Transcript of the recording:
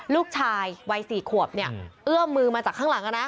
ลูกชายวัย๔ขวบเนี่ยเอื้อมมือมาจากข้างหลังนะ